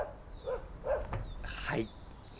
はい。